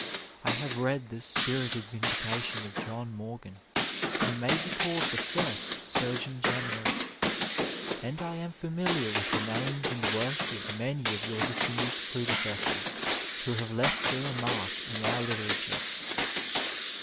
I have read the spirited vindication of John Morgan, who may 106 Digitized by Google THE ARMT SUBOEON be called the first Suigeon Gteneial, and I am familiar with the names and works of many of your distinguished predecessors who have left their mark in our literature.